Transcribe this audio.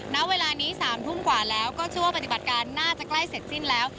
ณเวลานี้๓ทุ่มกว่าแล้วก็เชื่อว่าปฏิบัติการน่าจะใกล้เสร็จสิ้นแล้ว